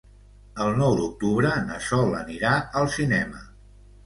El nou d'octubre na Sol anirà al cinema.